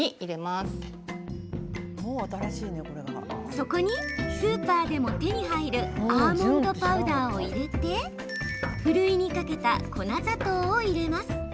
そこに、スーパーでも手に入るアーモンドパウダーを入れてふるいにかけた粉砂糖を入れます。